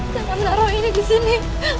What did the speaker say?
jangan taruh ini di sini